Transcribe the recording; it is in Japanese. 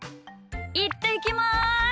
いってきます！